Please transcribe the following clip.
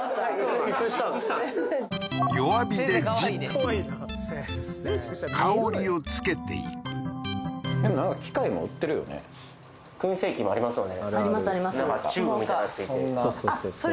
弱火で１０分香りをつけていくありますあります